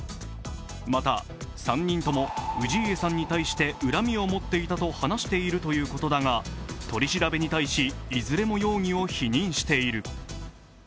また、３人とも氏家さんに対して恨みを持っていたと話しているということだが、取り調べに対し、いずれも容疑を否認している。